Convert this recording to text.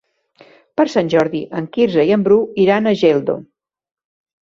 Per Sant Jordi en Quirze i en Bru iran a Geldo.